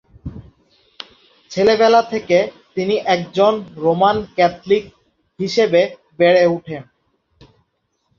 ছেলেবেলা থেকে তিনি একজন রোমান ক্যাথলিক হিসেবে বেড়ে উঠেন।